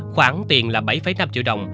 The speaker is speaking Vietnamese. khoảng tiền là bảy năm triệu đồng